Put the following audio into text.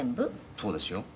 「そうですよ。